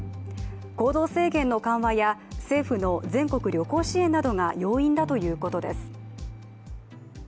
行動制限の緩和や政府の全国旅行支援などが要因だということです。